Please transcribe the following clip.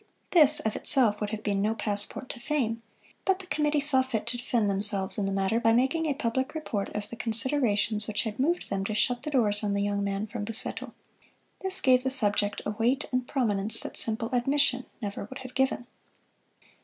This of itself would have been no passport to fame, but the Committee saw fit to defend themselves in the matter by making a public report of the considerations which had moved them to shut the doors on the young man from Busseto. This gave the subject a weight and prominence that simple admission never would have given.